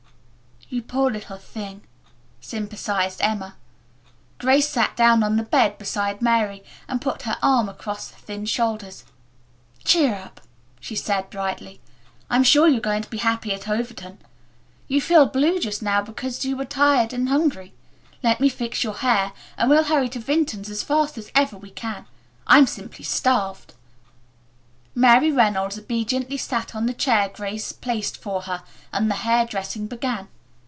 "You poor little thing," sympathized Emma. Grace sat down on the bed beside Mary and put her arm across the thin shoulders. "Cheer up," she said brightly. "I am sure you are going to be happy at Overton. You feel blue just now because you are tired and hungry. Let me fix your hair and we'll hurry to Vinton's as fast as ever we can. I'm simply starved." Mary Reynolds obediently sat on the chair Grace placed for her and the hair dressing began.